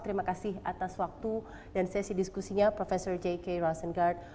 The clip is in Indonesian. terima kasih atas waktu dan sesi diskusinya prof j k rosengart